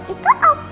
itu apa om baik